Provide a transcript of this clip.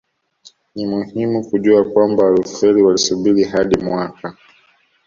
Ni muhimu kujua kwamba Walutheri walisubiri hadi mwaka